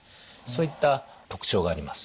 そういった特徴があります。